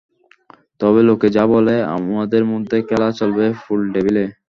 তবে লোকে যা বলে, আমদের মধ্যে খেলা চলবেই পোল টেবিলে।